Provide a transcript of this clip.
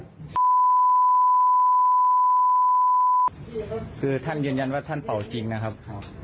ก็คือท่านยืนยันว่าร่วงว่าเธอเป่าจริงนะครับ